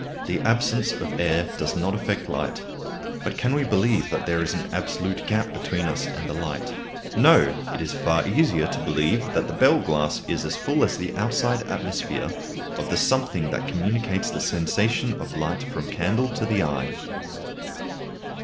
The absence of air does not affect light. But can we believe that there is an absolute gap between us and the light? No! It is far easier to believe that the bell glass is as full as the outside atmosphere of the something that communicates the sensation of light from the candle to the eye.